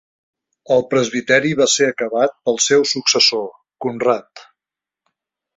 El presbiteri va ser acabat pel seu successor, Conrad.